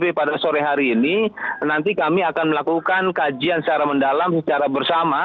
tapi pada sore hari ini nanti kami akan melakukan kajian secara mendalam secara bersama